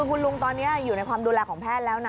คือคุณลุงตอนนี้อยู่ในความดูแลของแพทย์แล้วนะ